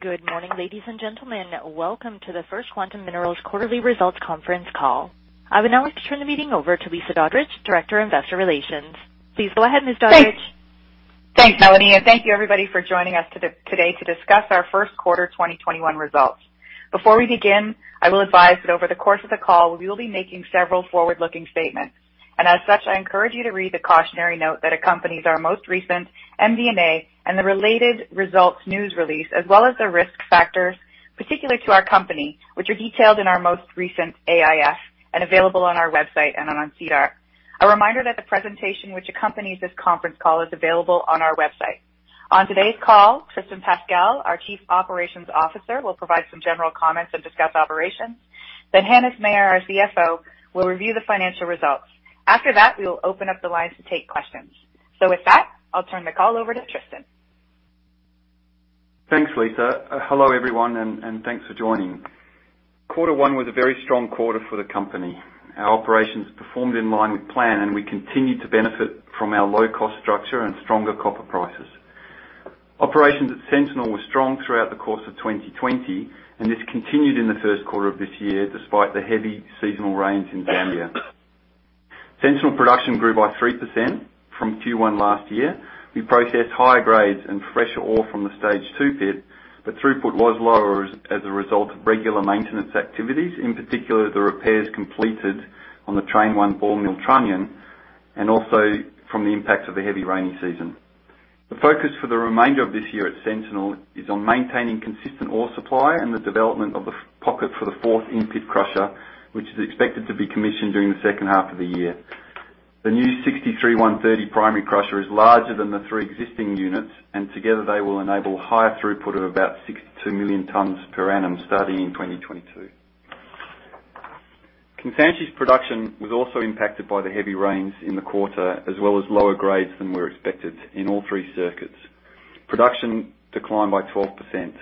Good morning, ladies and gentlemen. Welcome to the First Quantum Minerals quarterly results conference call. I would now like to turn the meeting over to Lisa Doddridge, Director of Investor Relations. Please go ahead, Ms. Doddridge. Thanks, Melanie, and thank you everybody for joining us today to discuss our first quarter 2021 results. Before we begin, I will advise that over the course of the call, we will be making several forward-looking statements, and as such, I encourage you to read the cautionary note that accompanies our most recent MD&A and the related results news release, as well as the risk factors particular to our company, which are detailed in our most recent AIF and available on our website and on SEDAR. A reminder that the presentation which accompanies this conference call is available on our website. On today's call, Tristan Pascall, our Chief Operations Officer, will provide some general comments and discuss operations. Hannes Meyer, our CFO, will review the financial results. After that, we will open up the lines to take questions. With that, I'll turn the call over to Tristan. Thanks, Lisa. Hello everyone, thanks for joining. Q1 was a very strong quarter for the company. Our operations performed in line with plan, we continued to benefit from our low-cost structure and stronger copper prices. Operations at Sentinel were strong throughout the course of 2020, this continued in Q1 of this year, despite the heavy seasonal rains in Zambia. Sentinel production grew by 3% from Q1 last year. We processed higher grades and fresher ore from the stage 2 pit, throughput was lower as a result of regular maintenance activities, in particular, the repairs completed on the train one ball mill trunnion, also from the impact of the heavy rainy season. The focus for the remainder of this year at Sentinel is on maintaining consistent ore supply and the development of the pocket for the fourth in-pit crusher, which is expected to be commissioned during the second half of the year. The new 63130 primary crusher is larger than the three existing units, and together they will enable higher throughput of about 62 million tons per annum starting in 2022. Kansanshi's production was also impacted by the heavy rains in the quarter, as well as lower grades than were expected in all three circuits. Production declined by 12%.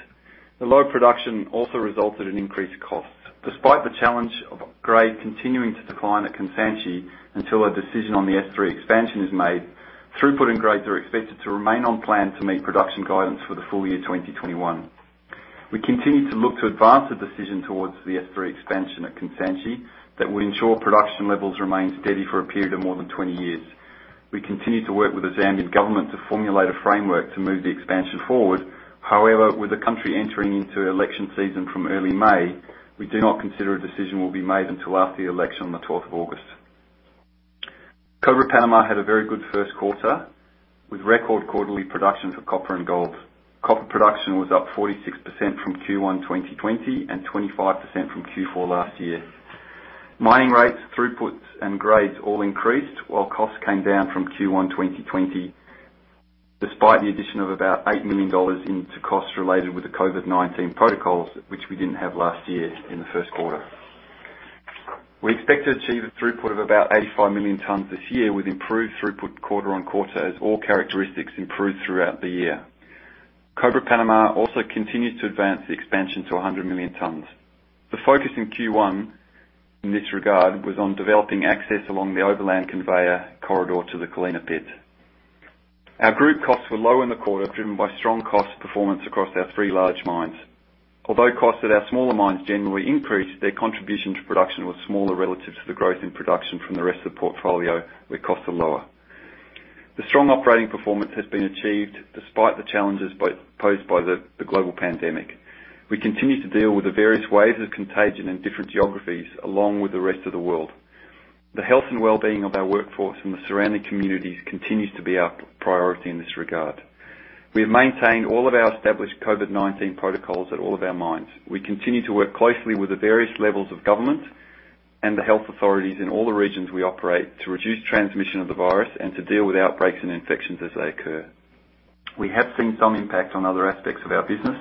The lower production also resulted in increased costs. Despite the challenge of grade continuing to decline at Kansanshi until a decision on the S3 expansion is made, throughput and grades are expected to remain on plan to meet production guidance for the full year 2021. We continue to look to advance a decision towards the S3 expansion at Kansanshi that would ensure production levels remain steady for a period of more than 20 years. We continue to work with the Zambian government to formulate a framework to move the expansion forward. However, with the country entering into election season from early May, we do not consider a decision will be made until after the election on the 12th of August. Cobre Panama had a very good first quarter with record quarterly production for copper and gold. Copper production was up 46% from Q1 2020 and 25% from Q4 last year. Mining rates, throughputs, and grades all increased while costs came down from Q1 2020, despite the addition of about $8 million into costs related with the COVID-19 protocols, which we didn't have last year in the first quarter. We expect to achieve a throughput of about 85 million tons this year with improved throughput quarter-on-quarter as ore characteristics improve throughout the year. Cobre Panama also continues to advance the expansion to 100 million tons. The focus in Q1 in this regard was on developing access along the overland conveyor corridor to the Colina pit. Our group costs were low in the quarter, driven by strong cost performance across our three large mines. Costs at our smaller mines generally increased, their contribution to production was smaller relative to the growth in production from the rest of the portfolio, where costs are lower. The strong operating performance has been achieved despite the challenges posed by the global pandemic. We continue to deal with the various waves of contagion in different geographies along with the rest of the world. The health and well-being of our workforce and the surrounding communities continues to be our priority in this regard. We have maintained all of our established COVID-19 protocols at all of our mines. We continue to work closely with the various levels of government and the health authorities in all the regions we operate to reduce transmission of the virus and to deal with outbreaks and infections as they occur. We have seen some impact on other aspects of our business,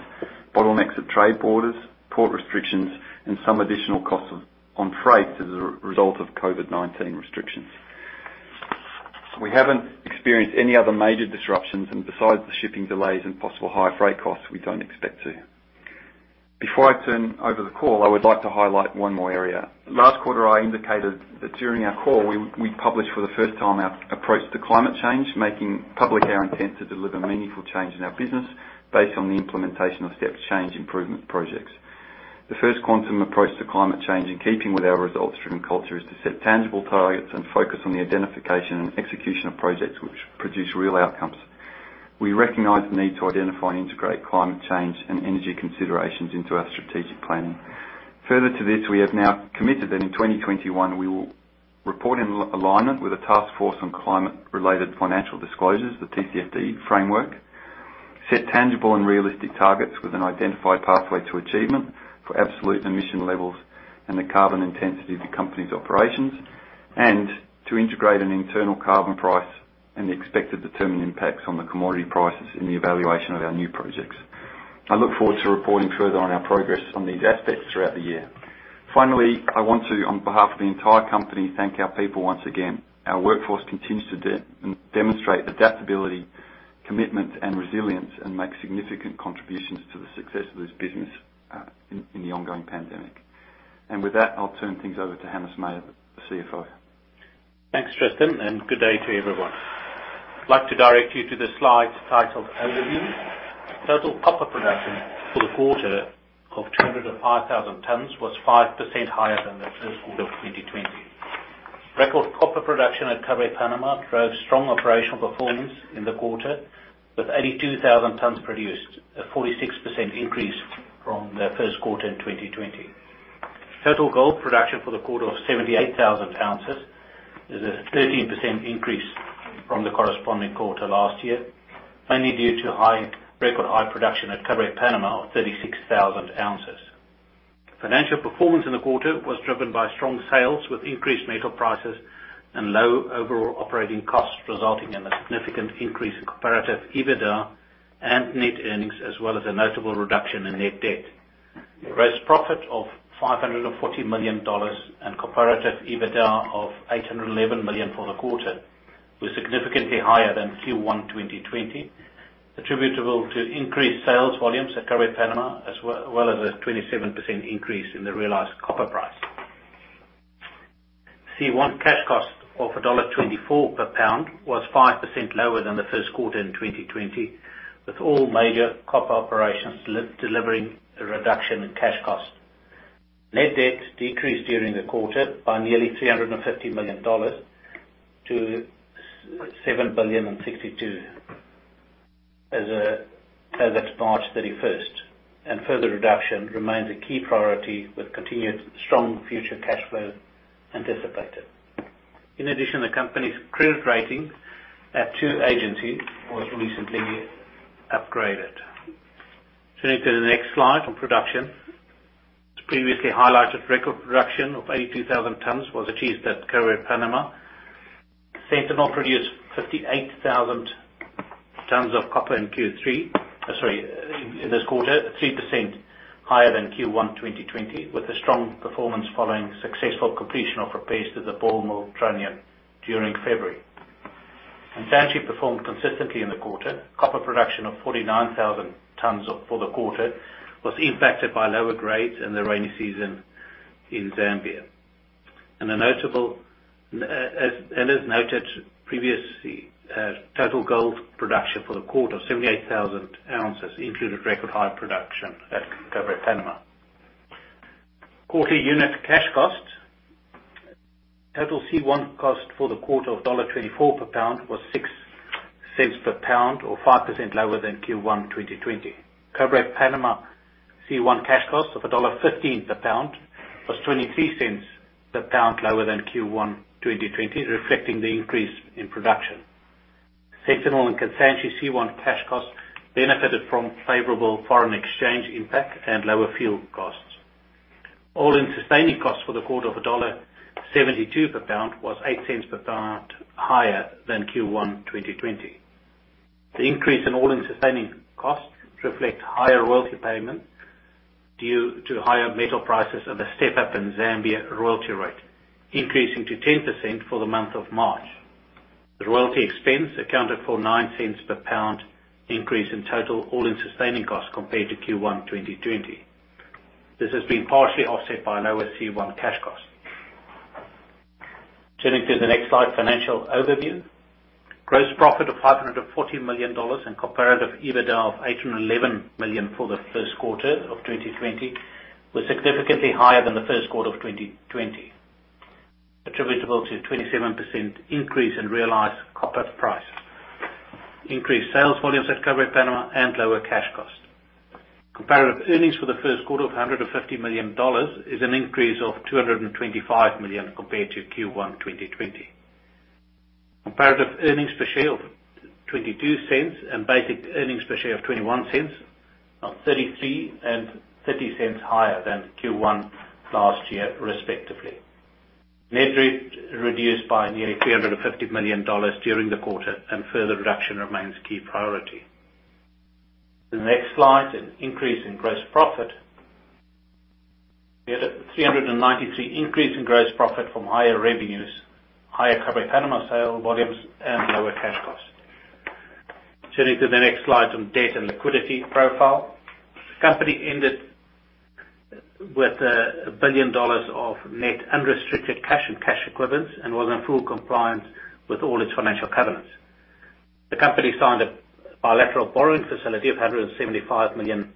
bottlenecks at trade borders, port restrictions, and some additional costs on freight as a result of COVID-19 restrictions. We haven't experienced any other major disruptions, and besides the shipping delays and possible higher freight costs, we don't expect to. Before I turn over the call, I would like to highlight one more area. Last quarter, I indicated that during our call, we published for the first time our approach to climate change, making public our intent to deliver meaningful change in our business based on the implementation of step change improvement projects. The First Quantum approach to climate change, in keeping with our results-driven culture, is to set tangible targets and focus on the identification and execution of projects which produce real outcomes. We recognize the need to identify and integrate climate change and energy considerations into our strategic planning. Further to this, we have now committed that in 2021, we will report in alignment with the Task Force on Climate-related Financial Disclosures, the TCFD framework, set tangible and realistic targets with an identified pathway to achievement for absolute emission levels and the carbon intensity of the company's operations, and to integrate an internal carbon price and the expected determined impacts on the commodity prices in the evaluation of our new projects. I look forward to reporting further on our progress on these aspects throughout the year. Finally, I want to, on behalf of the entire company, thank our people once again. Our workforce continues to demonstrate adaptability, commitment, and resilience, and make significant contributions to the success of this business in the ongoing pandemic. With that, I'll turn things over to Hannes Meyer, the CFO. Thanks, Tristan. Good day to everyone. I'd like to direct you to the slide titled Overview. Total copper production for the quarter of 205,000 tonnes was 5% higher than the first quarter of 2020. Record copper production at Cobre Panama drove strong operational performance in the quarter, with 82,000 tonnes produced, a 46% increase from the first quarter in 2020. Total gold production for the quarter of 78,000 ounces is a 13% increase from the corresponding quarter last year, mainly due to record high production at Cobre Panama of 36,000 ounces. Financial performance in the quarter was driven by strong sales with increased metal prices and low overall operating costs, resulting in a significant increase in comparative EBITDA and net earnings, as well as a notable reduction in net debt. Gross profit of $540 million and comparative EBITDA of $811 million for the quarter were significantly higher than Q1 2020, attributable to increased sales volumes at Cobre Panama, as well as a 27% increase in the realized copper price. C1 cash cost of $1.24 per pound was 5% lower than the first quarter in 2020, with all major copper operations delivering a reduction in cash cost. Net debt decreased during the quarter by nearly $350 million-$7.062 billion as at March 31st. Further reduction remains a key priority, with continued strong future cash flow anticipated. In addition, the company's credit rating at two agencies was recently upgraded. Turning to the next slide on production. As previously highlighted, record production of 82,000 tonnes was achieved at Cobre Panama. Sentinel produced 58,000 tonnes of copper in this quarter, 3% higher than Q1 2020, with a strong performance following successful completion of repairs to the ball mill trunnion during February. Kansanshi performed consistently in the quarter. Copper production of 49,000 tonnes for the quarter was impacted by lower grades in the rainy season in Zambia. As noted previously, total gold production for the quarter, 78,000 ounces, included record high production at Cobre Panama. Quarterly unit cash cost. Total C1 cost for the quarter of $1.24 per pound was $0.06 per pound or 5% lower than Q1 2020. Cobre Panama C1 cash cost of $1.15 per pound was $0.23 per pound lower than Q1 2020, reflecting the increase in production. Sentinel and Kansanshi C1 cash costs benefited from favorable foreign exchange impact and lower fuel costs. All-in sustaining costs for the quarter of $1.72 per pound was $0.08 per pound higher than Q1 2020. The increase in all-in sustaining costs reflect higher royalty payments due to higher metal prices and a step-up in Zambia royalty rate, increasing to 10% for the month of March. The royalty expense accounted for $0.09 per pound increase in total all-in sustaining costs compared to Q1 2020. This has been partially offset by a lower C1 cash cost. Turning to the next slide, financial overview. Gross profit of $540 million and comparative EBITDA of $811 million for the first quarter of 2020 were significantly higher than the first quarter of 2020, attributable to a 27% increase in realized copper price, increased sales volumes at Cobre Panama, and lower cash costs. Comparative earnings for the first quarter of $150 million is an increase of $225 million compared to Q1 2020. Comparative earnings per share of $0.22 and basic earnings per share of $0.21 are $0.33 and $0.30 higher than Q1 last year, respectively. Net debt reduced by nearly $350 million during the quarter and further reduction remains a key priority. Next slide, an increase in gross profit. We had a 393% increase in gross profit from higher revenues, higher Cobre Panama sale volumes, and lower cash costs. Turning to the next slide on debt and liquidity profile. The company ended with $1 billion of net unrestricted cash and cash equivalents and was in full compliance with all its financial covenants. The company signed a bilateral borrowing facility of $175 million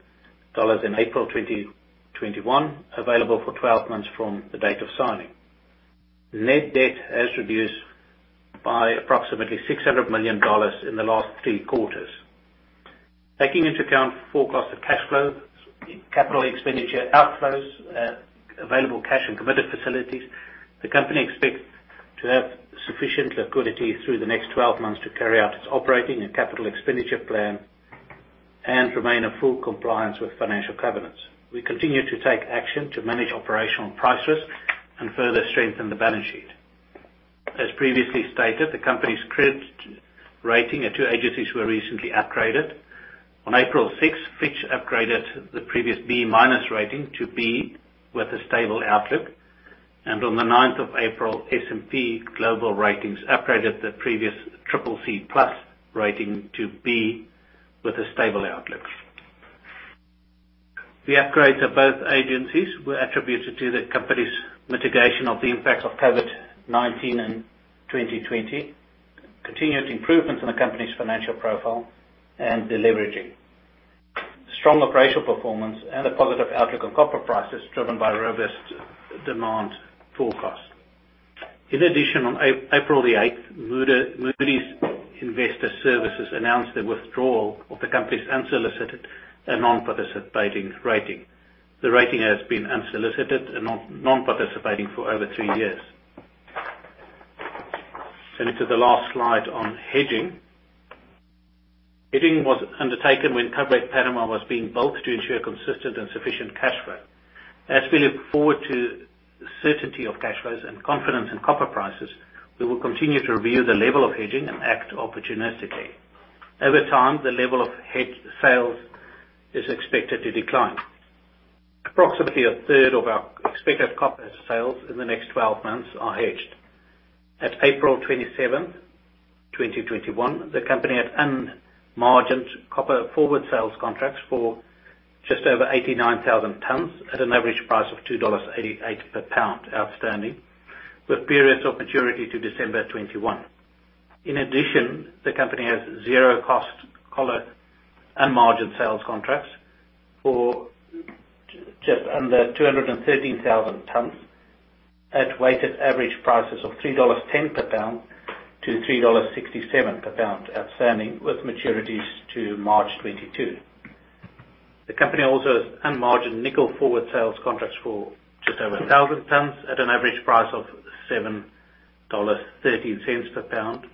in April 2021, available for 12 months from the date of signing. Net debt has reduced by approximately $600 million in the last three quarters. Taking into account forecasted cash flows, capital expenditure outflows, available cash, and committed facilities, the company expects to have sufficient liquidity through the next 12 months to carry out its operating and capital expenditure plan and remain in full compliance with financial covenants. We continue to take action to manage operational prices and further strengthen the balance sheet. As previously stated, the company's credit rating at two agencies were recently upgraded. On April 6th, Fitch upgraded the previous B minus rating to B with a stable outlook. On the 9th of April, S&P Global Ratings upgraded the previous triple C plus rating to B with a stable outlook. The upgrades of both agencies were attributed to the company's mitigation of the impact of COVID-19 in 2020, continued improvements in the company's financial profile, and deleveraging. Strong operational performance and a positive outlook on copper prices driven by robust demand forecast. On April the 8th, Moody's Investors Service announced the withdrawal of the company's unsolicited and non-participating rating. The rating has been unsolicited and non-participating for over two years. To the last slide on hedging. Hedging was undertaken when Cobre Panama was being built to ensure consistent and sufficient cash flow. As we look forward to certainty of cash flows and confidence in copper prices, we will continue to review the level of hedging and act opportunistically. Over time, the level of hedged sales is expected to decline. Approximately a third of our expected copper sales in the next 12 months are hedged. At April 27th, 2021, the company had unmargined copper forward sales contracts for just over 89,000 tons at an average price of $2.88 per pound outstanding, with periods of maturity to December 2021. In addition, the company has zero cost collar unmargined sales contracts for just under 213,000 tons at weighted average prices of $3.10 per pound-$3.67 per pound outstanding, with maturities to March 2022. The company also has unmargined nickel forward sales contracts for just over 1,000 tons at an average price of $7.13 per pound,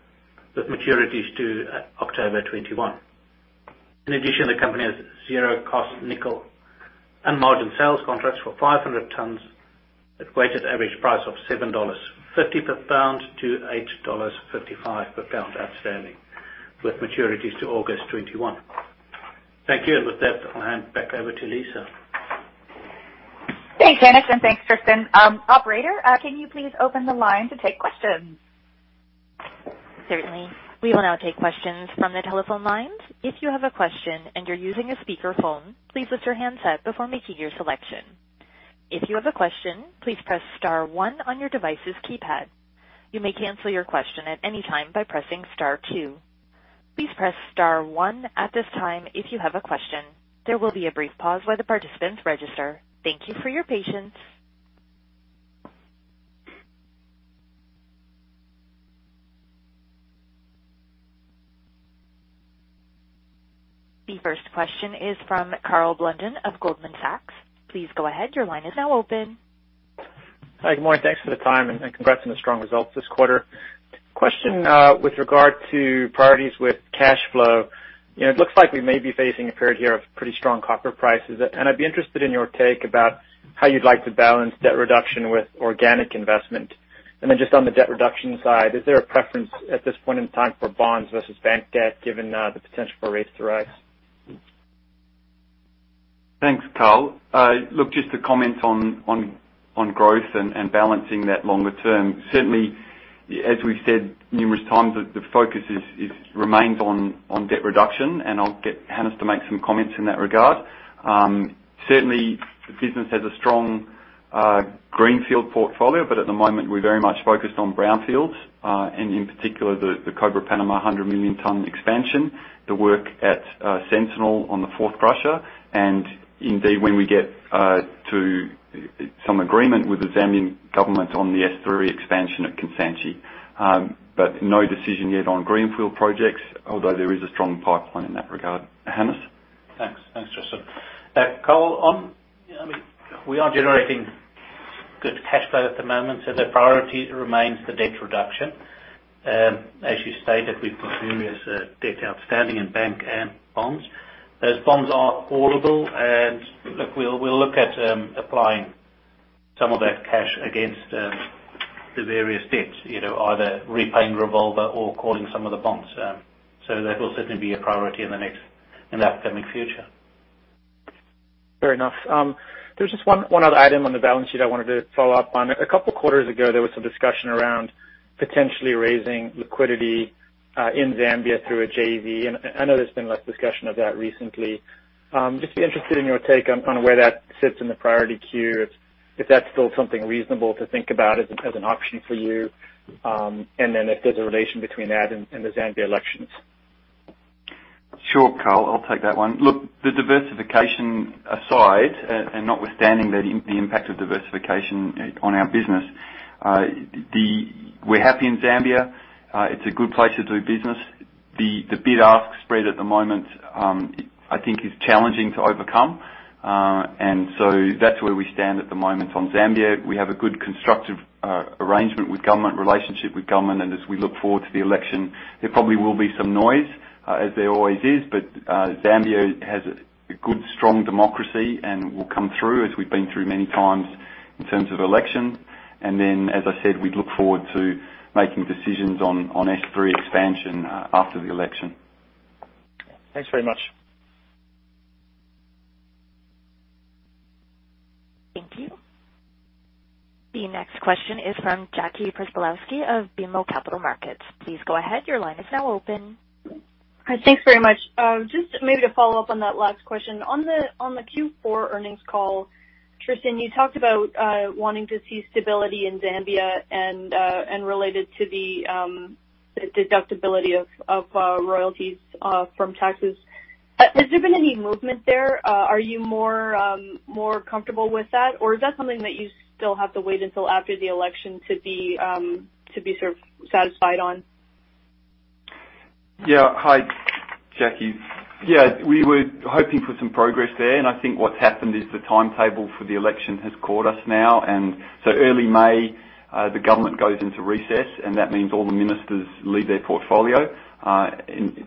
with maturities to October 2021. In addition, the company has zero cost nickel unmargined sales contracts for 500 tons at a weighted average price of $7.50 per pound-$8.55 per pound outstanding, with maturities to August 2021. Thank you, and with that, I'll hand back over to Lisa. Thanks, Hannes, and thanks, Tristan. Operator, can you please open the line to take questions? Certainly. We will now take questions from the telephone lines. Thank you for your patience. The first question is from Karl Blunden of Goldman Sachs. Please go ahead. Your line is now open. Hi, good morning. Thanks for the time. Congrats on the strong results this quarter. Question with regard to priorities with cash flow. It looks like we may be facing a period here of pretty strong copper prices. I'd be interested in your take about how you'd like to balance debt reduction with organic investment. Just on the debt reduction side, is there a preference at this point in time for bonds versus bank debt, given the potential for rates to rise? Thanks, Karl. Look, just to comment on growth and balancing that longer term. Certainly, as we've said numerous times, the focus remains on debt reduction, and I'll get Hannes to make some comments in that regard. Certainly, the business has a strong greenfield portfolio, at the moment, we're very much focused on brownfields. In particular, the Cobre Panama 100 million ton expansion, the work at Sentinel on the fourth crusher, indeed, when we get to some agreement with the Zambian government on the S3 expansion at Kansanshi. No decision yet on greenfield projects, although there is a strong pipeline in that regard. Hannes? Thanks, Tristan. Karl, we are generating good cash flow at the moment, so the priority remains the debt reduction. As you stated, we've got numerous debt outstanding in bank and bonds. Those bonds are portable, and we'll look at applying some of that cash against the various debts, either repaying revolver or calling some of the bonds. That will certainly be a priority in the upcoming future. Fair enough. There's just one other item on the balance sheet I wanted to follow up on. A couple of quarters ago, there was some discussion around potentially raising liquidity in Zambia through a JV. I know there's been less discussion of that recently. Just be interested in your take on where that sits in the priority queue, if that's still something reasonable to think about as an option for you. Then if there's a relation between that and the Zambia elections. Sure, Karl, I'll take that one. Look, the diversification aside, and notwithstanding the impact of diversification on our business, we're happy in Zambia. It's a good place to do business. The bid-ask spread at the moment, I think is challenging to overcome. That's where we stand at the moment on Zambia. We have a good, constructive arrangement with government, relationship with government, and as we look forward to the election, there probably will be some noise, as there always is. Zambia has a good, strong democracy and will come through as we've been through many times in terms of elections. As I said, we'd look forward to making decisions on S3 expansion after the election. Thanks very much. Thank you. The next question is from Jackie Przybylowski of BMO Capital Markets. Please go ahead. Your line is now open. Hi. Thanks very much. Just maybe to follow up on that last question. On the Q4 earnings call, Tristan, you talked about wanting to see stability in Zambia and related to the deductibility of royalties from taxes. Has there been any movement there? Are you more comfortable with that, or is that something that you still have to wait until after the election to be sort of satisfied on? Yeah. Hi, Jackie. Yeah, we were hoping for some progress there, and I think what's happened is the timetable for the election has caught us now. Early May, the government goes into recess, and that means all the ministers leave their portfolio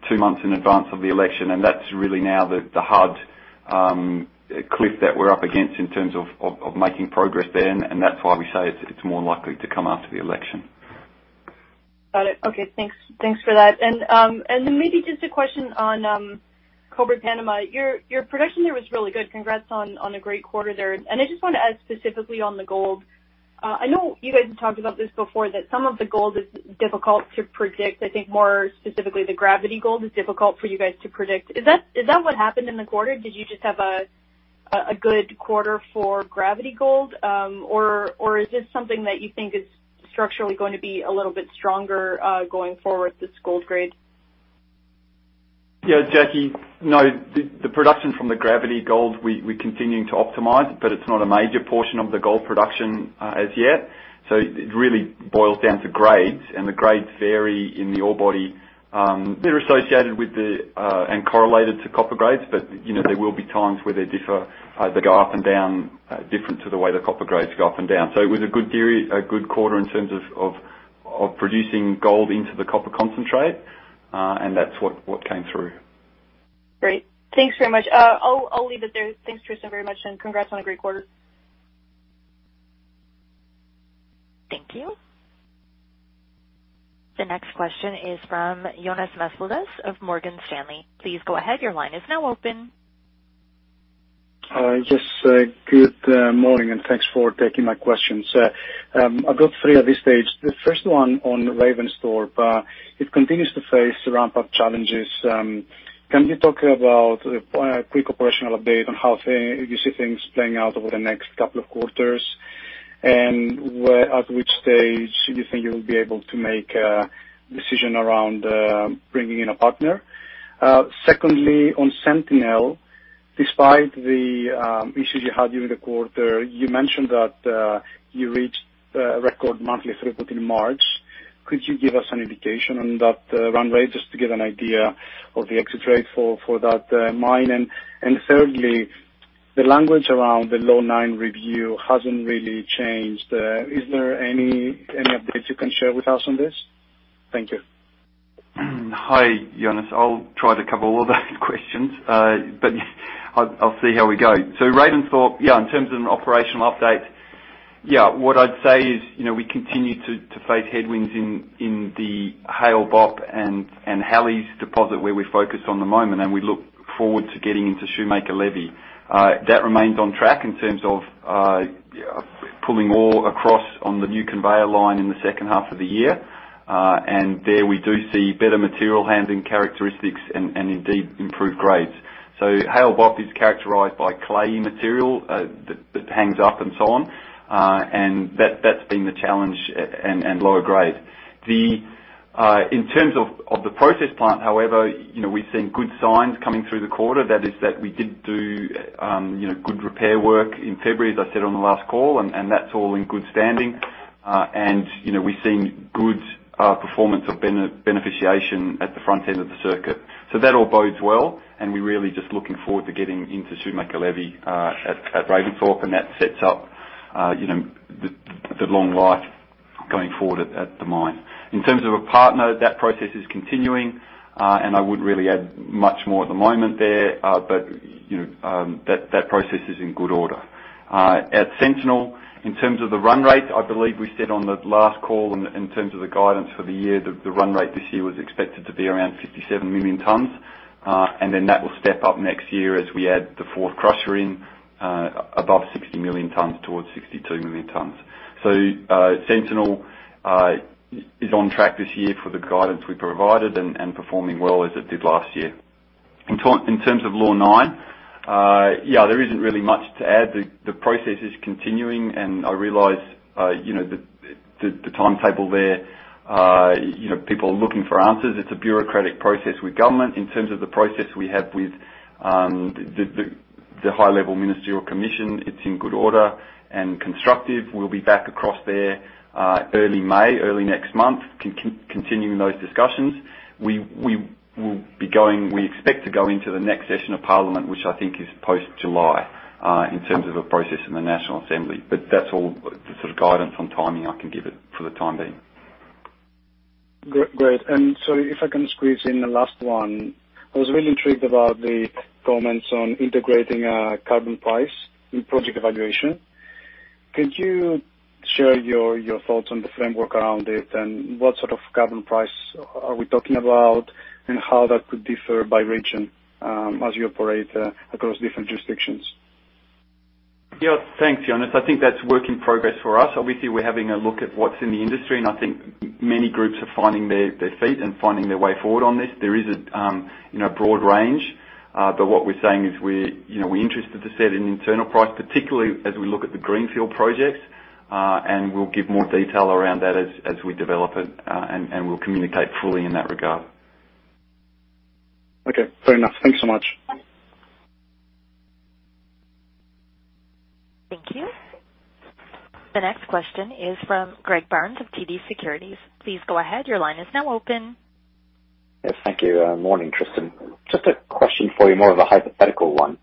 two months in advance of the election. That's really now the hard cliff that we're up against in terms of making progress there. That's why we say it's more likely to come after the election. Got it. Okay. Thanks for that. Then maybe just a question on Cobre Panama. Your production there was really good. Congrats on a great quarter there. I just want to ask specifically on the gold. I know you guys have talked about this before, that some of the gold is difficult to predict. I think more specifically, the gravity gold is difficult for you guys to predict. Is that what happened in the quarter? Did you just have a good quarter for gravity gold? Is this something that you think is structurally going to be a little bit stronger going forward, this gold grade? Yeah, Jackie, no, the production from the gravity gold, we're continuing to optimize, but it's not a major portion of the gold production as yet. It really boils down to grades, and the grades vary in the ore body. They're associated with the, and correlated to copper grades, but there will be times where they differ, they go up and down different to the way the copper grades go up and down. It was a good quarter in terms of producing gold into the copper concentrate, and that's what came through. Great. Thanks very much. I'll leave it there. Thanks, Tristan, very much, and congrats on a great quarter. Thank you. The next question is from Ioannis Masvoulas of Morgan Stanley. Please go ahead. Yes. Good morning, and thanks for taking my questions. I've got three at this stage. The first one on Ravensthorpe. It continues to face ramp-up challenges. Can you talk about a quick operational update on how you see things playing out over the next couple of quarters? At which stage do you think you'll be able to make a decision around bringing in a partner? Secondly, on Sentinel, despite the issues you had during the quarter, you mentioned that you reached a record monthly throughput in March. Could you give us an indication on that run rate, just to get an idea of the exit rate for that mine? Thirdly, the language around the Law 9 review hasn't really changed. Is there any updates you can share with us on this? Thank you. Hi, Ioannis. I'll try to cover all those questions, but I'll see how we go. Ravensthorpe, yeah, in terms of an operational update, what I'd say is we continue to face headwinds in the Hale Bopp and Halley's deposit where we're focused on the moment, and we look forward to getting into Shoemaker-Levy. That remains on track in terms of pulling ore across on the new conveyor line in the second half of the year. There we do see better material handling characteristics and indeed improved grades. Hale Bopp is characterized by clayey material that hangs up and so on, and that's been the challenge, and lower grade. In terms of the process plant, however, we've seen good signs coming through the quarter, that is, that we did do good repair work in February, as I said on the last call, and that's all in good standing. We've seen good performance of beneficiation at the front end of the circuit. That all bodes well, and we're really just looking forward to getting into Shoemaker-Levy at Ravensthorpe, and that sets up the long life going forward at the mine. In terms of a partner, that process is continuing, and I wouldn't really add much more at the moment there. That process is in good order. At Sentinel, in terms of the run rate, I believe we said on the last call in terms of the guidance for the year, that the run rate this year was expected to be around 57 million tons. That will step up next year as we add the fourth crusher in above 60 million tons towards 62 million tons. Sentinel is on track this year for the guidance we provided and performing well as it did last year. In terms of Law 9, there isn't really much to add. The process is continuing, and I realize the timetable there, people are looking for answers. It's a bureaucratic process with government. In terms of the process we have with the high-level ministerial commission, it's in good order and constructive. We'll be back across there early May, early next month, continuing those discussions. We expect to go into the next session of Parliament, which I think is post-July, in terms of a process in the National Assembly. That's all the sort of guidance on timing I can give it for the time being. Great. Sorry if I can squeeze in the last one. I was really intrigued about the comments on integrating a carbon price in project evaluation. Could you share your thoughts on the framework around it, and what sort of carbon price are we talking about, and how that could differ by region as you operate across different jurisdictions? Thanks, Ioannis. I think that's work in progress for us. Obviously, we're having a look at what's in the industry, and I think many groups are finding their feet and finding their way forward on this. There is a broad range, but what we're saying is we're interested to set an internal price, particularly as we look at the greenfield projects. We'll give more detail around that as we develop it, and we'll communicate fully in that regard. Okay. Fair enough. Thanks so much. Thank you. The next question is from Greg Barnes of TD Securities. Please go ahead. Your line is now open. Yes, thank you. Morning, Tristan. Just a question for you, more of a hypothetical one.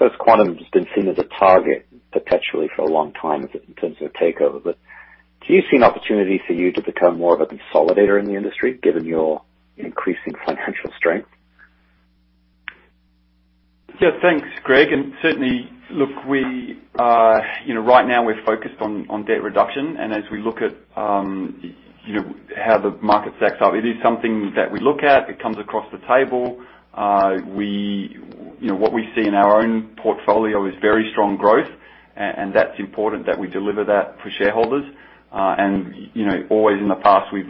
As Quantum has been seen as a target perpetually for a long time in terms of a takeover, do you see an opportunity for you to become more of a consolidator in the industry given your increasing financial strength? Yeah. Thanks, Greg. Certainly. Look, right now we're focused on debt reduction, and as we look at how the market stacks up, it is something that we look at. It comes across the table. What we see in our own portfolio is very strong growth, and that's important that we deliver that for shareholders. Always in the past, we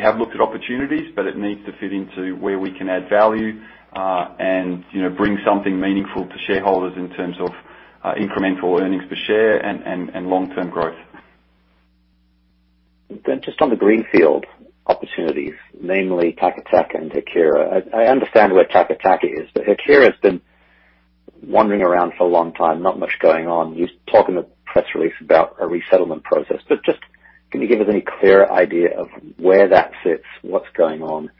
have looked at opportunities, but it needs to fit into where we can add value, and bring something meaningful to shareholders in terms of incremental earnings per share and long-term growth. Just on the greenfield opportunities, namely Taca Taca and Haquira. I understand where Taca Taca is, but Haquira has been wandering around for a long time, not much going on. You talk in the press release about a resettlement process, but just, can you give us any clear idea of where that sits, what's going on,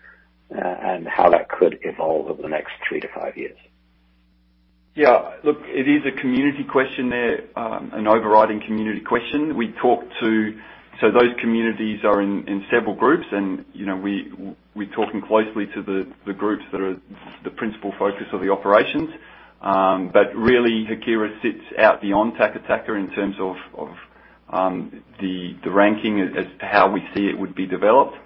and how that could evolve over the next three to five years? Yeah. Look, it is a community question there, an overriding community question. Those communities are in several groups, and we're talking closely to the groups that are the principal focus of the operations. Really, Haquira sits out beyond Taca Taca in terms of the ranking as how we see it would be developed.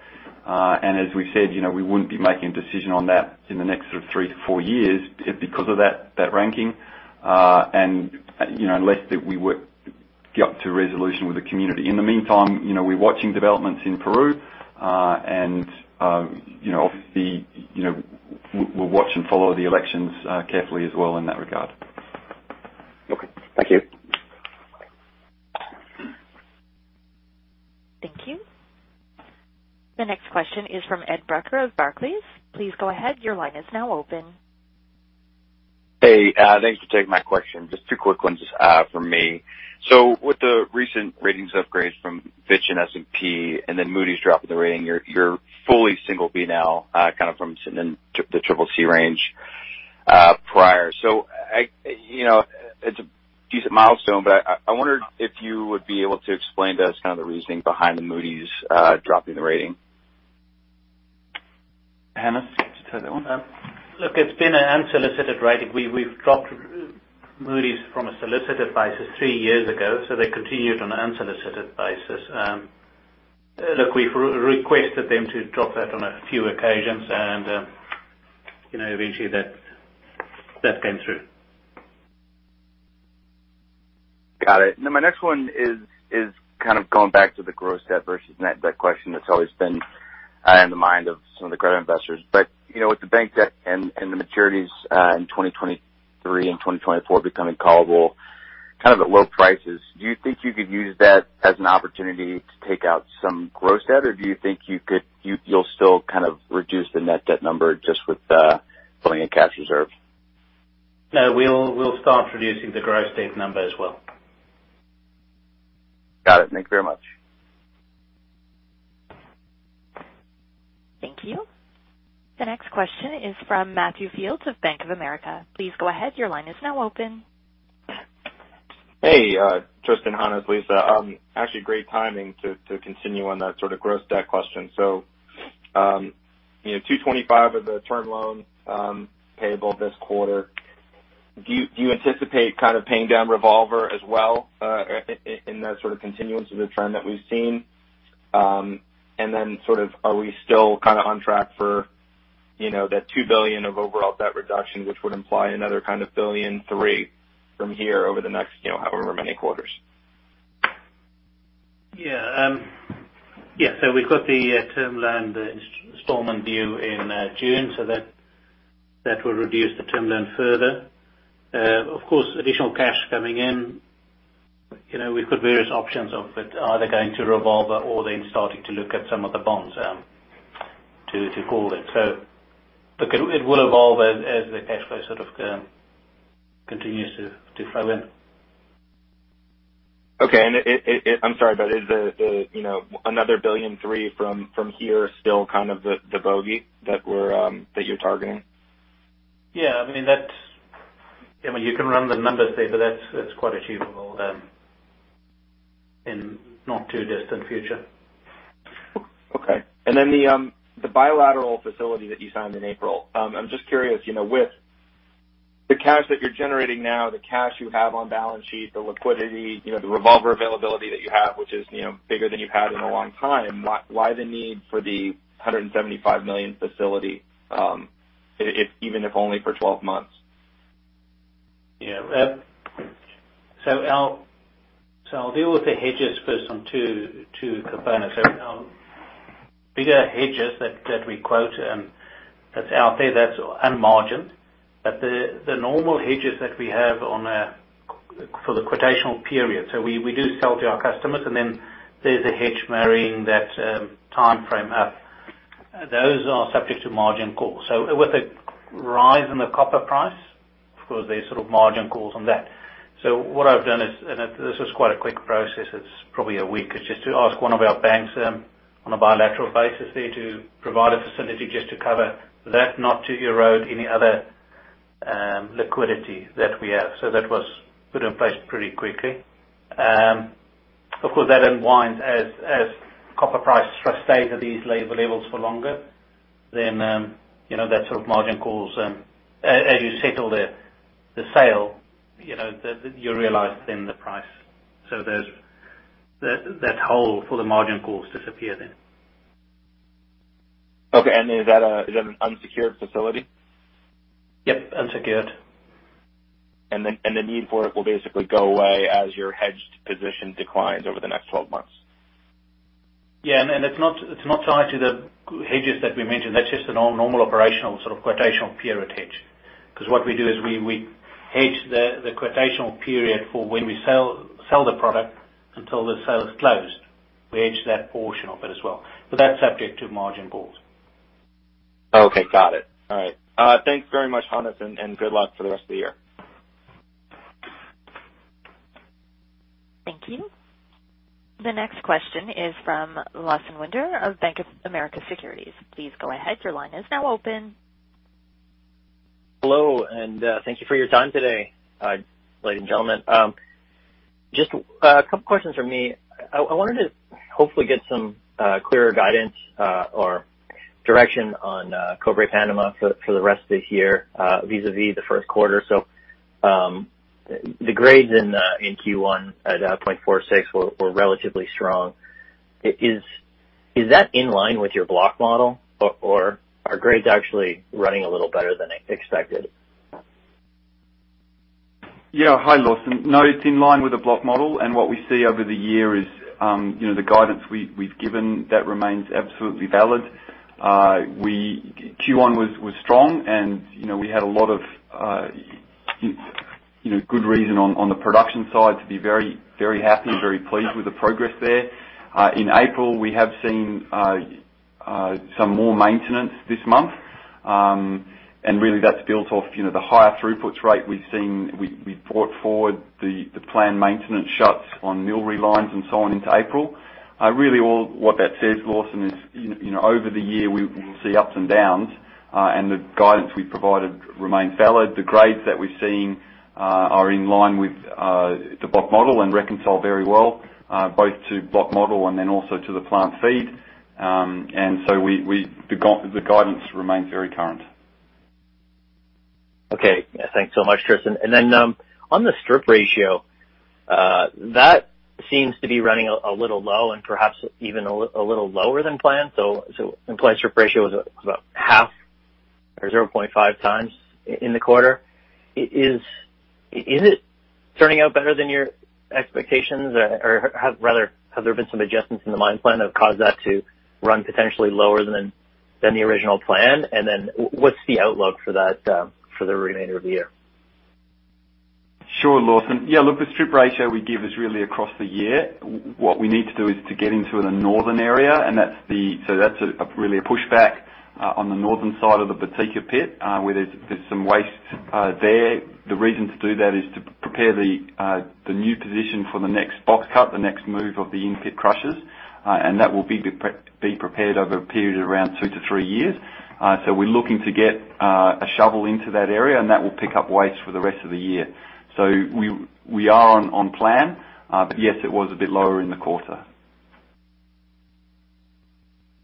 As we said, we wouldn't be making a decision on that in the next three to four years because of that ranking. Unless that we would get to a resolution with the community. In the meantime, we're watching developments in Peru, and obviously, we'll watch and follow the elections carefully as well in that regard. Thank you. Thank you. The next question is from Ed Brucker of Barclays. Please go ahead. Hey, thanks for taking my question. Just two quick ones from me. With the recent ratings upgrades from Fitch and S&P and then Moody's dropping the rating, you're fully single B now, from the triple C range prior. It's a decent milestone, but I wondered if you would be able to explain to us the reasoning behind the Moody's dropping the rating. Hannes, do you want to take that one? Look, it's been an unsolicited rating. We've dropped Moody's from a solicited basis three years ago, so they continued on an unsolicited basis. Look, we've requested them to drop that on a few occasions and eventually, that came through. Got it. My next one is going back to the gross debt versus net debt question that's always been in the mind of some of the credit investors. With the bank debt and the maturities in 2023 and 2024 becoming callable at low prices, do you think you could use that as an opportunity to take out some gross debt, or do you think you'll still reduce the net debt number just with building a cash reserve? No, we'll start reducing the gross debt number as well. Got it. Thank you very much. Thank you. The next question is from Matthew Fields of Bank of America. Please go ahead. Hey, Tristan, Hannes, Lisa. Actually great timing to continue on that gross debt question. $225 of the term loan payable this quarter, do you anticipate paying down revolver as well in that continuance of the trend that we've seen? Are we still on track for that $2 billion of overall debt reduction, which would imply another $1.3 billion from here over the next however many quarters? Yeah. We've got the term loan installment due in June, so that will reduce the term loan further. Of course, additional cash coming in. We've got various options of it, either going to revolver or then starting to look at some of the bonds to call it. It will evolve as the cash flow continues to flow in. Okay. I'm sorry, but is another $1.3 billion from here still the bogey that you're targeting? Yeah. You can run the numbers there, but that's quite achievable in not too distant future. Okay. The bilateral facility that you signed in April, I'm just curious, with the cash that you're generating now, the cash you have on balance sheet, the liquidity, the revolver availability that you have, which is bigger than you've had in a long time, why the need for the $175 million facility, even if only for 12 months? Yeah. I'll deal with the hedges first on two components. There are bigger hedges that we quote, and that's out there, that's unmargined. The normal hedges that we have for the quotational period, we do sell to our customers, and then there's a hedge marrying that timeframe up. Those are subject to margin calls. With a rise in the copper price, of course, there's sort of margin calls on that. What I've done is, and this was quite a quick process, it's probably a week, is just to ask one of our banks on a bilateral basis there to provide a facility just to cover that, not to erode any other liquidity that we have. That was put in place pretty quickly. Of course, that unwinds as copper price stays at these levels for longer. That sort of margin calls, as you settle the sale, you realize then the price. That hole for the margin calls disappear then. Okay. Is that an unsecured facility? Yep. Unsecured. The need for it will basically go away as your hedged position declines over the next 12 months. Yeah, it's not tied to the hedges that we mentioned. That's just a normal operational sort of quotational period hedge. What we do is we hedge the quotational period for when we sell the product until the sale is closed. We hedge that portion of it as well. That's subject to margin calls. Okay. Got it. All right. Thanks very much, Hannes, and good luck for the rest of the year. Thank you. The next question is from Lawson Winder of Bank of America Securities. Please go ahead. Hello, and thank you for your time today, ladies and gentlemen. Just a couple questions from me. I wanted to hopefully get some clearer guidance or direction on Cobre Panama for the rest of the year, vis-a-vis the first quarter. The grades in Q1 at 0.46 were relatively strong. Is that in line with your block model, or are grades actually running a little better than expected? Hi, Lawson. No, it's in line with the block model. What we see over the year is the guidance we've given, that remains absolutely valid. Q1 was strong. We had a lot of good reason on the production side to be very happy, very pleased with the progress there. In April, we have seen some more maintenance this month. Really that's built off the higher throughputs rate we've seen. We've brought forward the planned maintenance shuts on mill re-lines and so on into April. Really, all what that says, Lawson, is over the year, we will see ups and downs. The guidance we provided remains valid. The grades that we're seeing are in line with the block model and reconcile very well, both to block model and then also to the plant feed. The guidance remains very current. Thanks so much, Tristan. On the strip ratio, that seems to be running a little low and perhaps even a little lower than planned. In-place strip ratio was about half or 0.5 times in the quarter. Is it turning out better than your expectations? Rather, have there been some adjustments in the mine plan that have caused that to run potentially lower than the original plan? What's the outlook for that for the remainder of the year? Sure, Lawson. Yeah, look, the strip ratio we give is really across the year. What we need to do is to get into the northern area, so that's really a pushback on the northern side of the Botija pit, where there's some waste there. The reason to do that is to prepare the new position for the next box cut, the next move of the in-pit crushers. That will be prepared over a period of around two to three years. We're looking to get a shovel into that area, and that will pick up waste for the rest of the year. We are on plan. Yes, it was a bit lower in the quarter.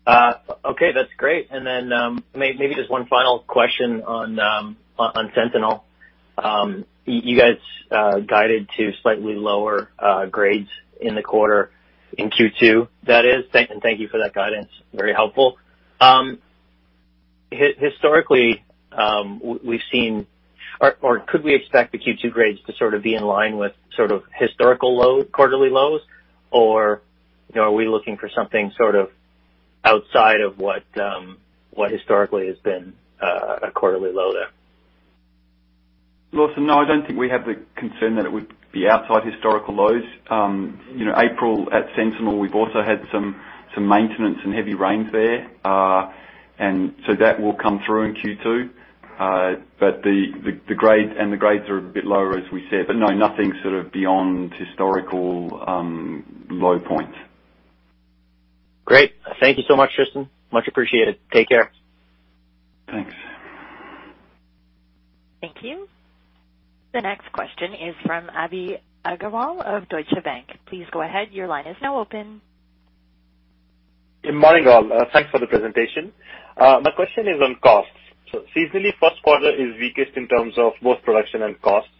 Okay, that's great. Maybe just one final question on Sentinel. You guys guided to slightly lower grades in the quarter in Q2, that is. Thank you for that guidance. Very helpful. Historically, could we expect the Q2 grades to sort of be in line with sort of historical lows, quarterly lows? Are we looking for something sort of outside of what historically has been a quarterly low there? Lawson, no, I don't think we have the concern that it would be outside historical lows. April at Sentinel, we've also had some maintenance and heavy rains there. That will come through in Q2. The grades are a bit lower, as we said. No, nothing sort of beyond historical low points. Great. Thank you so much, Tristan. Much appreciated. Take care. Thanks. Thank you. The next question is from Abhi Agarwal of Deutsche Bank. Please go ahead. Good morning, all. Thanks for the presentation. My question is on costs. Seasonally, first quarter is weakest in terms of both production and costs.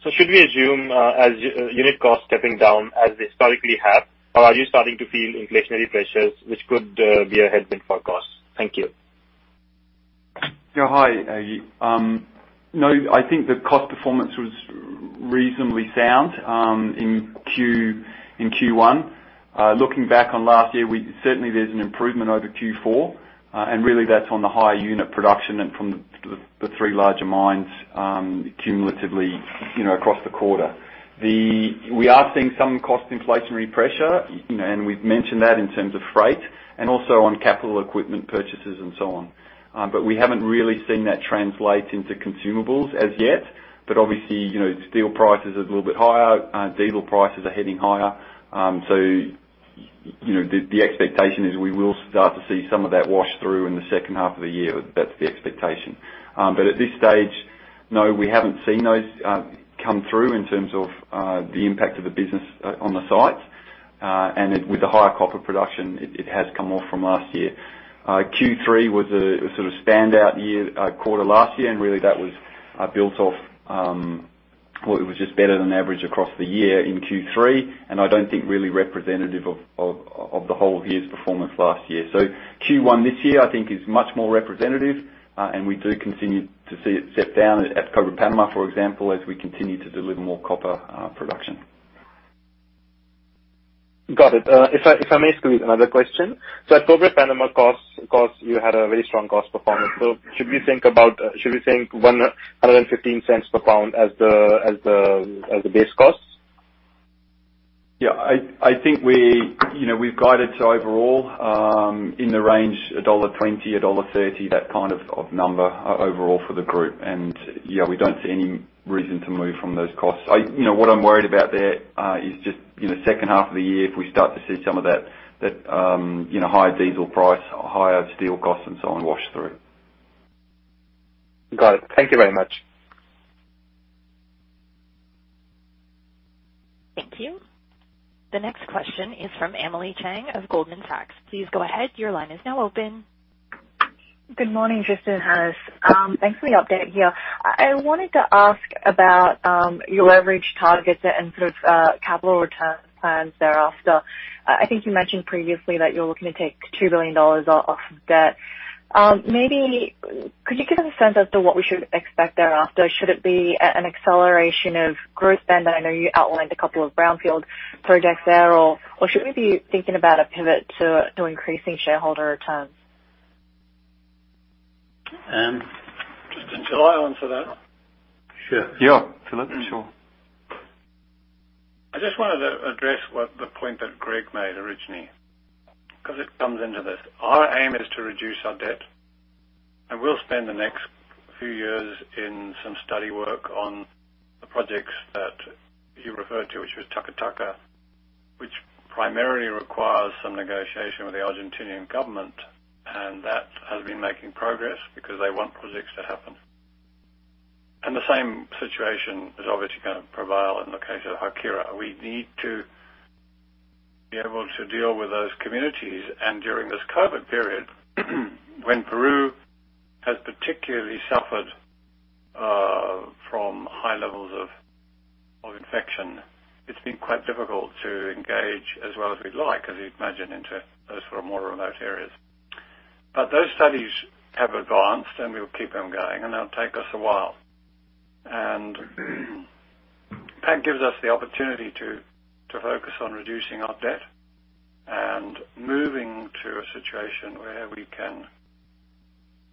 Should we assume as unit costs stepping down as they historically have? Are you starting to feel inflationary pressures which could be a headwind for costs? Thank you. Yeah, hi. No, I think the cost performance was reasonably sound in Q1. Looking back on last year, certainly there's an improvement over Q4, really that's on the higher unit production and from the three larger mines cumulatively across the quarter. We are seeing some cost inflationary pressure, we've mentioned that in terms of freight and also on capital equipment purchases and so on. We haven't really seen that translate into consumables as yet. Obviously, steel prices are a little bit higher, diesel prices are heading higher. The expectation is we will start to see some of that wash through in the second half of the year. That's the expectation. At this stage, no, we haven't seen those come through in terms of the impact of the business on the site. With the higher copper production, it has come off from last year. Q3 was a sort of standout quarter last year. Really that was built off what it was just better than average across the year in Q3. I don't think really representative of the whole year's performance last year. Q1 this year, I think is much more representative. We do continue to see it step down at Cobre Panama, for example, as we continue to deliver more copper production. Got it. If I may squeeze another question. At Cobre Panama costs, you had a very strong cost performance. Should we think $1.15 per pound as the base cost? Yeah, I think we've guided to overall, in the range $1.20-$1.30, that kind of number overall for the group. Yeah, we don't see any reason to move from those costs. What I'm worried about there is just, second half of the year, if we start to see some of that higher diesel price or higher steel costs and so on wash through. Got it. Thank you very much. Thank you. The next question is from Emily Chieng of Goldman Sachs. Please go ahead. Good morning, Tristan, Hannes. Thanks for the update here. I wanted to ask about your leverage targets and sort of capital return plans thereafter. I think you mentioned previously that you're looking to take $2 billion off of debt. Maybe could you give us a sense as to what we should expect thereafter? Should it be an acceleration of growth spend? I know you outlined a couple of brownfield projects there, or should we be thinking about a pivot to increasing shareholder returns? Tristan, shall I answer that? Sure. Yeah, Philip, sure. I just wanted to address what the point that Greg Barnes made originally, because it comes into this. Our aim is to reduce our debt, we'll spend the next few years in some study work on the projects that you referred to, which was Taca Taca, which primarily requires some negotiation with the Argentinian government, and that has been making progress because they want projects to happen. The same situation is obviously going to prevail in the case of Haquira. We need to be able to deal with those communities, during this COVID-19 period, when Peru has particularly suffered from high levels of infection, it's been quite difficult to engage as well as we'd like, as you'd imagine, into those sort of more remote areas. Those studies have advanced, we'll keep them going, they'll take us a while. That gives us the opportunity to focus on reducing our debt and moving to a situation where we can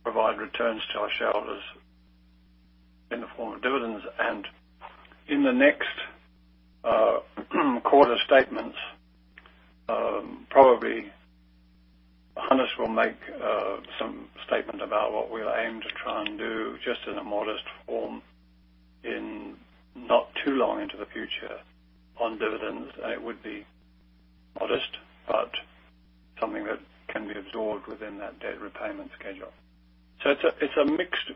provide returns to our shareholders in the form of dividends. In the next quarter statements, probably Hannes will make some statement about what we'll aim to try and do just in a modest form in not too long into the future on dividends. It would be modest, but something that can be absorbed within that debt repayment schedule. It's a mixed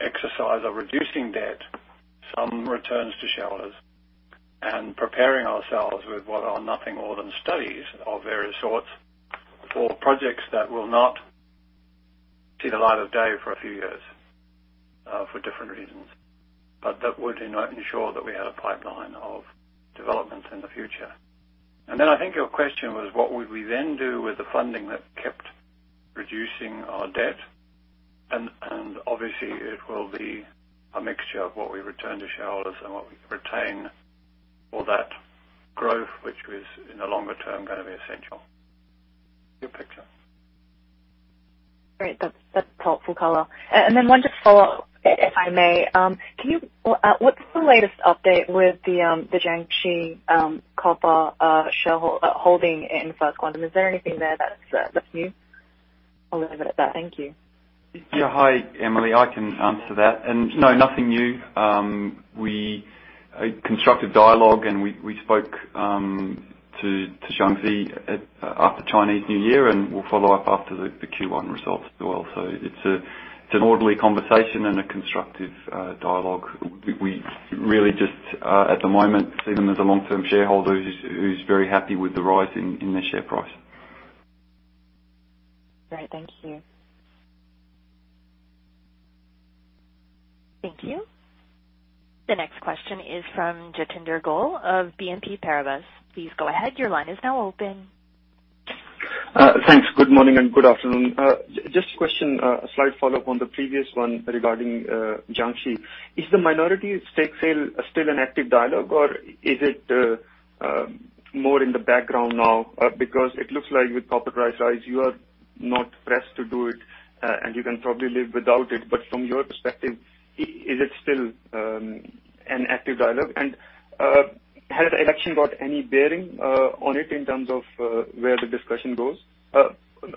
exercise of reducing debt, some returns to shareholders, and preparing ourselves with what are nothing more than studies of various sorts for projects that will not see the light of day for a few years for different reasons. That would ensure that we had a pipeline of development in the future. I think your question was what would we then do with the funding that kept reducing our debt? Obviously it will be a mixture of what we return to shareholders and what we retain for that growth, which is in the longer term, going to be essential. Good picture. Great. That's helpful color. One just follow up, if I may. What's the latest update with the Jiangxi Copper holding in First Quantum? Is there anything there that's new? I'll leave it at that. Thank you. Yeah. Hi, Emily. I can answer that. No, nothing new. A constructive dialogue, and we spoke to Jiangxi after Chinese New Year, and we'll follow up after the Q1 results as well. It's an orderly conversation and a constructive dialogue. We really just, at the moment, see them as a long-term shareholder who's very happy with the rise in their share price. Great. Thank you. Thank you. The next question is from Jatinder Goel of BNP Paribas. Please go ahead. Your line is now open. Thanks. Good morning and good afternoon. A question, a slight follow-up on the previous one regarding Jiangxi. Is the minority stake sale still an active dialogue, or is it more in the background now? It looks like with copper price rise, you are not pressed to do it, and you can probably live without it. From your perspective, is it still an active dialogue? Has the election got any bearing on it in terms of where the discussion goes?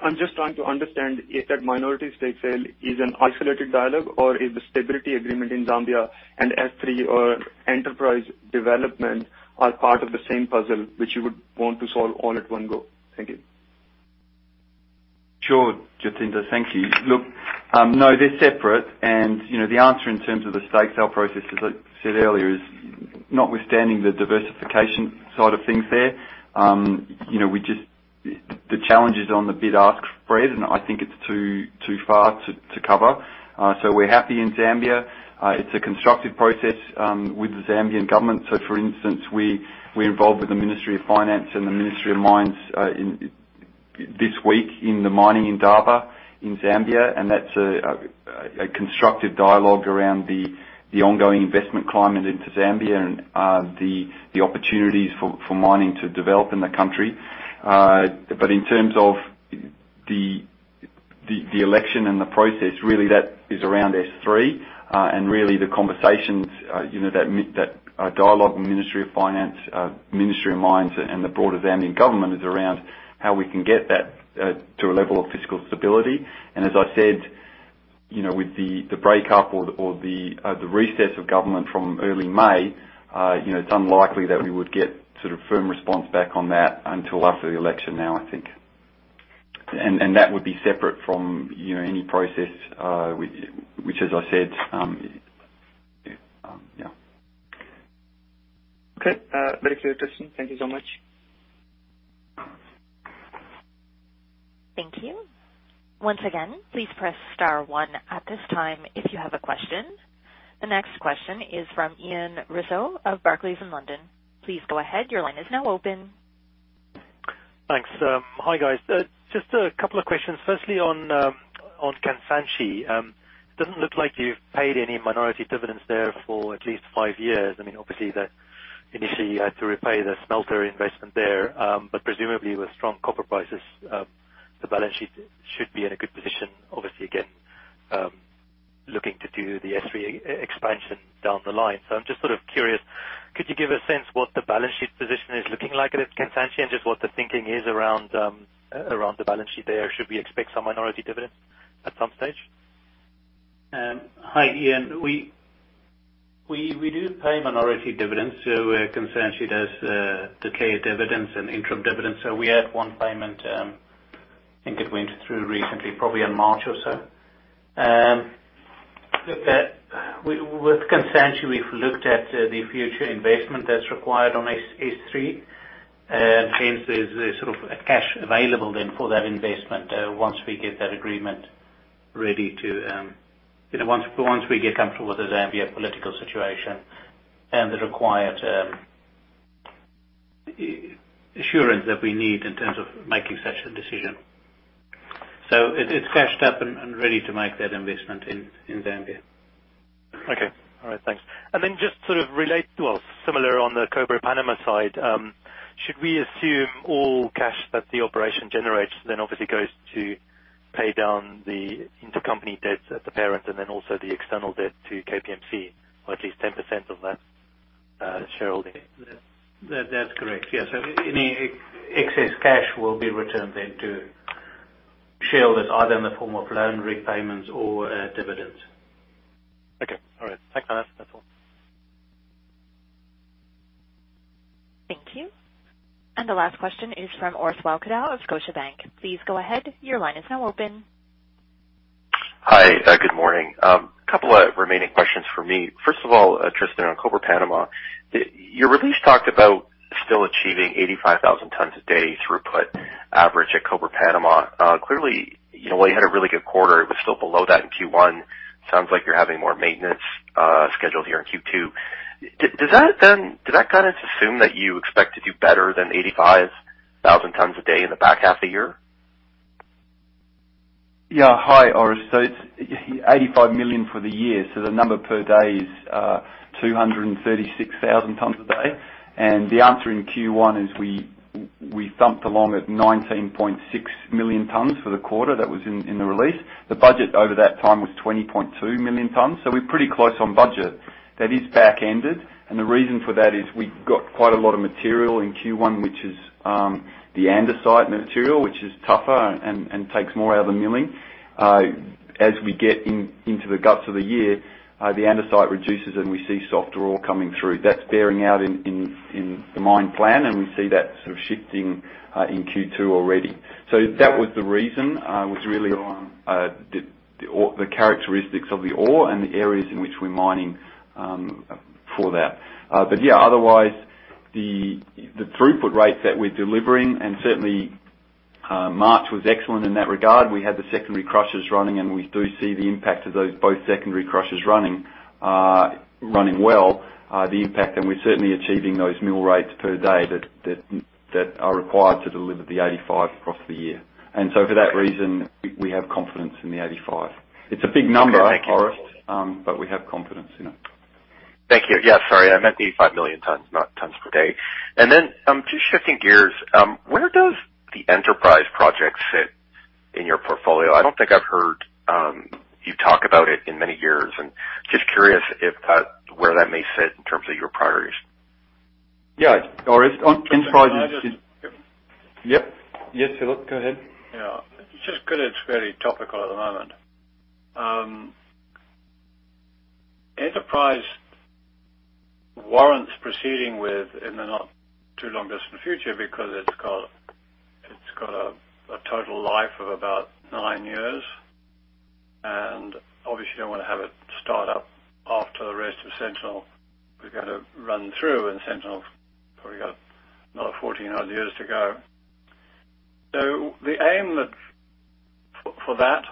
I'm just trying to understand if that minority stake sale is an isolated dialogue or if the stability agreement in Zambia and S3 or enterprise development are part of the same puzzle which you would want to solve all at one go. Thank you. Sure, Jatinder. Thank you. Look, no, they're separate, the answer in terms of the stake sale process, as I said earlier, is notwithstanding the diversification side of things there. The challenge is on the bid-ask spread, I think it's too far to cover. We're happy in Zambia. It's a constructive process with the Zambian government. For instance, we're involved with the Ministry of Finance and the Ministry of Mines this week in the mining Ndola in Zambia, and that's a constructive dialogue around the ongoing investment climate into Zambia and the opportunities for mining to develop in the country. In terms of the election and the process, really that is around S3 and really the conversations, that dialogue with Ministry of Finance, Ministry of Mines and the broader Zambian government is around how we can get that to a level of fiscal stability. As I said, with the breakup or the reset of government from early May, it's unlikely that we would get firm response back on that until after the election now, I think. That would be separate from any process, which as I said. Okay. Very clear, Tristan. Thank you so much. Thank you. Once again, please press star one at this time if you have a question. The next question is from Ian Rossouw of Barclays in London. Please go ahead. Your line is now open. Thanks. Hi, guys. Just a couple of questions. Firstly, on Kansanshi. Doesn't look like you've paid any minority dividends there for at least five years. Obviously, initially you had to repay the smelter investment there. Presumably with strong copper prices, the balance sheet should be in a good position, obviously, again, looking to do the S3 expansion down the line. I'm just curious, could you give a sense what the balance sheet position is looking like at Kansanshi and just what the thinking is around the balance sheet there? Should we expect some minority dividends at some stage? Hi, Ian. We do pay minority dividends. Kansanshi does declare dividends and interim dividends. We had one payment, I think it went through recently, probably in March or so. With Kansanshi, we've looked at the future investment that's required on S3, and hence there's sort of a cash available then for that investment once we get that agreement ready. Once we get comfortable with the Zambia political situation and the required assurance that we need in terms of making such a decision. It's cashed up and ready to make that investment in Zambia. Okay. All right. Thanks. Just sort of relate to what's similar on the Cobre Panama side. Should we assume all cash that the operation generates then obviously goes to pay down the intercompany debt at the parent and then also the external debt to KPMC or at least 10% of that shareholding? That's correct. Yes. Any excess cash will be returned then to shareholders either in the form of loan repayments or dividends. Okay. All right. Thanks for that. That's all. Thank you. The last question is from Orest Wowkodaw of Scotiabank. Please go ahead. Hi. Good morning. Couple of remaining questions for me. First of all, Tristan, on Cobre Panama. Your release talked about still achieving 85,000 tonnes a day throughput average at Cobre Panama. Clearly, while you had a really good quarter, it was still below that in Q1. Sounds like you're having more maintenance scheduled here in Q2. Does that kind of assume that you expect to do better than 85,000 tonnes a day in the back half of the year? Hi, Orest. It's 85 million for the year. The number per day is 236,000 tonnes a day. The answer in Q1 is we thumped along at 19.6 million tonnes for the quarter. That was in the release. The budget over that time was 20.2 million tonnes. We're pretty close on budget. That is back-ended, and the reason for that is we got quite a lot of material in Q1, which is the andesite material, which is tougher and takes more out of the milling. As we get into the guts of the year, the andesite reduces, and we see softer ore coming through. That's bearing out in the mine plan, and we see that sort of shifting in Q2 already. That was the reason, was really the characteristics of the ore and the areas in which we're mining for that. Yeah, otherwise, the throughput rates that we're delivering and certainly March was excellent in that regard. We had the secondary crushers running, we do see the impact of both secondary crushers running well, and we're certainly achieving those mill rates per day that are required to deliver the 85 across the year. For that reason, we have confidence in the 85. It's a big number, Orest, but we have confidence in it. Thank you. Yeah, sorry. I meant the 85 million tons, not tons per day. Then, just shifting gears, where does the Enterprise project sit in your portfolio? I don't think I've heard you talk about it in many years, and just curious where that may sit in terms of your priorities. Yeah. Orest. Can I just- Yep. Yes, Philip, go ahead. Yeah. Just because it's very topical at the moment. Enterprise warrants proceeding with in the not too longest in the future because it's got a total life of about nine years, and obviously don't want to have it start up after the rest of Sentinel. We've got to run through and Sentinel's probably got another 14 odd years to go. The aim for that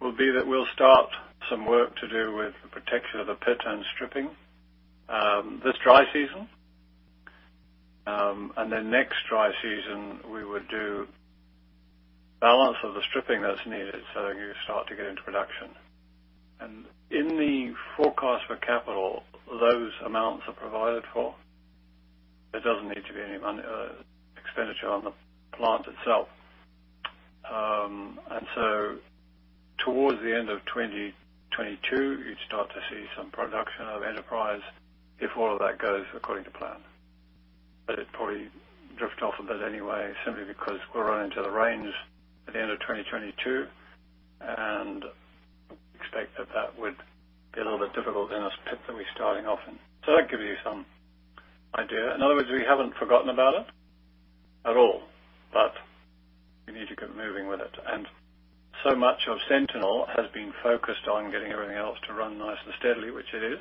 will be that we'll start some work to do with the protection of the pit and stripping, this dry season. Next dry season, we would do balance of the stripping that's needed so you start to get into production. In the forecast for capital, those amounts are provided for. There doesn't need to be any expenditure on the plant itself. Towards the end of 2022, you'd start to see some production of Sentinel if all of that goes according to plan. It probably drift off a bit anyway, simply because we'll run into the rains at the end of 2022, and expect that that would be a little bit difficult in this pit that we're starting off in. That'll give you some idea. In other words, we haven't forgotten about it at all, but we need to get moving with it. Much of Sentinel has been focused on getting everything else to run nice and steadily, which it is.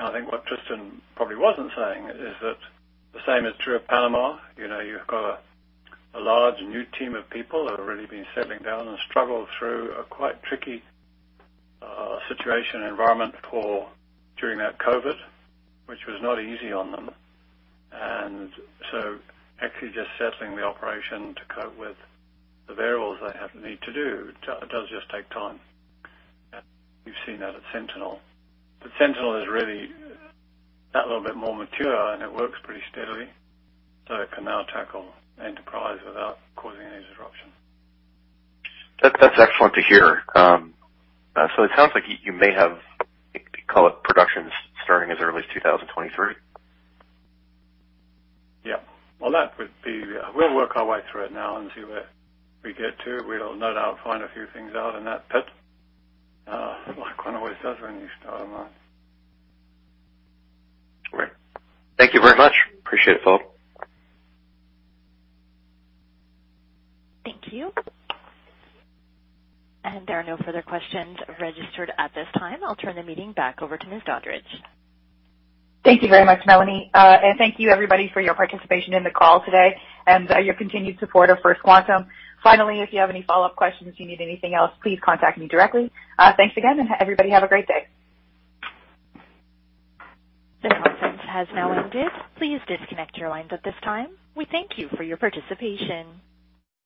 I think what Tristan probably wasn't saying is that the same is true of Panama. You've got a large new team of people who have really been settling down and struggled through a quite tricky situation, environment for during that COVID, which was not easy on them. Actually just settling the operation to cope with the variables they have the need to do, does just take time. We've seen that at Sentinel. Sentinel is really that little bit more mature, and it works pretty steadily, so it can now tackle Enterprise without causing any disruption. That's excellent to hear. It sounds like you may have, call it productions starting as early as 2023? Yeah. Well, we'll work our way through it now and see where we get to. We'll no doubt find a few things out in that pit, like one always does when you start a mine. Great. Thank you very much. Appreciate it, folks. Thank you. There are no further questions registered at this time. I'll turn the meeting back over to Ms. Doddridge. Thank you very much, Melanie. Thank you everybody for your participation in the call today and your continued support of First Quantum. Finally, if you have any follow-up questions, you need anything else, please contact me directly. Thanks again, and everybody have a great day. This conference has now ended. Please disconnect your lines at this time. We thank you for your participation.